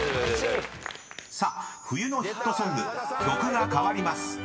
［さあ冬のヒットソング曲が変わります］